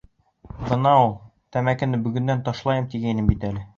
Бына ул тәмәкене бөгөндән ташлайым тигәйнем бит әле.